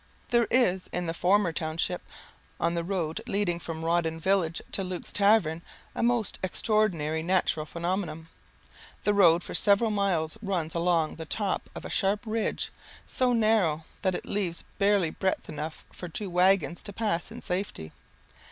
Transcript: There is in the former township, on the road leading from Rawdon village to Luke's tavern, a most extraordinary natural phenomenon. The road for several miles runs along the top of a sharp ridge, so narrow that it leaves barely breadth enough for two waggons to pass in safety.